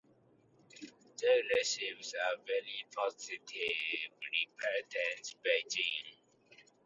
They received a very positive reception in Beijing.